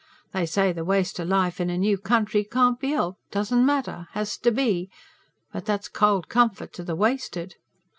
They say the waste o' life in a new country can't be helped; doesn't matter; has to be. But that's cold comfort to the wasted.